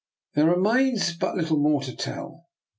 There remains but little more to tell.